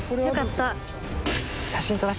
よかった。